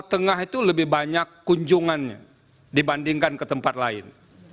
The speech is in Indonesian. tengah itu lebih banyak kunjungannya dibandingkan ke tempat lain